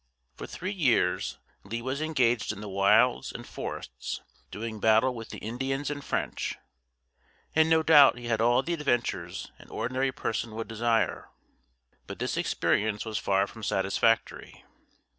For three years, Lee was engaged in the wilds and forests, doing battle with the Indians and French, and no doubt he had all the adventures an ordinary person would desire, But this experience was far from satisfactory.